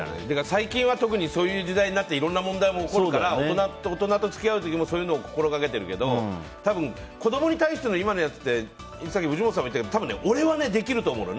最近は特にそういう時代になっていろんな問題も起こるから大人と付き合う時もそういうのを心がけてるけどたぶん、子供に対しての今のやつって藤本さんも言ってたけど多分、俺はできると思うのよ。